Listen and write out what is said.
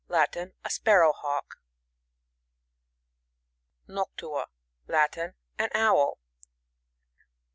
— Latin. A Sparrowhawk. NocTUA. — Latin. An Owl.